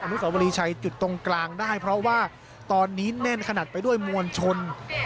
นุสาวรีชัยจุดตรงกลางได้เพราะว่าตอนนี้แน่นขนาดไปด้วยมวลชน